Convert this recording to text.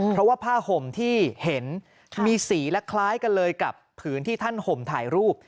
เพราะว่าผ้าห่มที่เห็นมีสีและคล้ายกันเลยกับผืนที่ท่านห่มถ่ายรูป